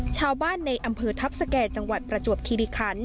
ชาวบ้านในอำเภอทัพสแก่จังหวัดประจวบคิริคัน